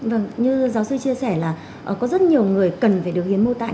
vâng như giáo sư chia sẻ là có rất nhiều người cần phải được hiến mô tạng